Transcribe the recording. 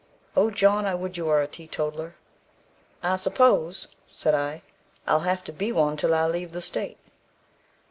Oh, John, I would you were a teetotaller.' 'I suppose,' said I, 'I'll have to be one till I leave the state.'